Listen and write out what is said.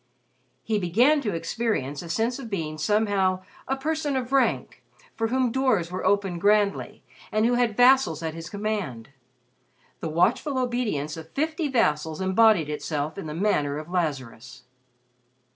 He began to experience a sense of being somehow a person of rank, for whom doors were opened grandly and who had vassals at his command. The watchful obedience of fifty vassals embodied itself in the manner of Lazarus.